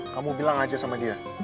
kamu bilang aja sama dia